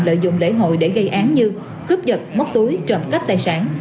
lợi dụng lễ hội để gây án như cướp giật móc túi trộm cắp tài sản